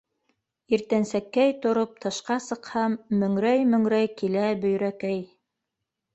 Иртәнсәкәй тороп, тышҡа сыҡһам, Мөңрәй-мөңрәй килә Бөйрәкәй.